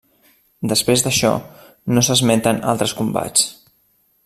Després d'això no s'esmenten altres combats.